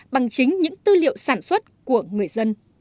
bằng chính những tư liệu sản xuất của người dân